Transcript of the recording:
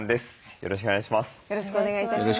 よろしくお願いします。